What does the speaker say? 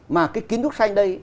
mà cái kiến trúc xanh đây